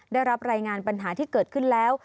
ได้รับรายงานปัญหาที่เกิดขึ้นแล้ว